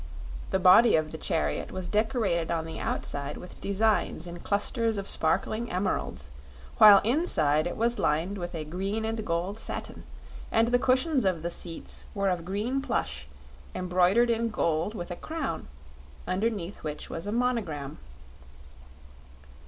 The body of the chariot was decorated on the outside with designs in clusters of sparkling emeralds, while inside it was lined with a green and gold satin, and the cushions of the seats were of green plush embroidered in gold with a crown, underneath which was a monogram.